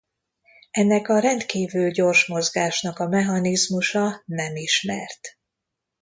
Ennek a rendkívül gyors mozgásnak a mechanizmusa nem ismert.